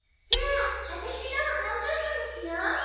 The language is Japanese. じゃああたしのを半分こにしよう。